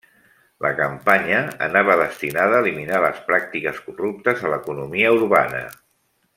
La campanya anava destinada eliminar les pràctiques corruptes a l'economia urbana.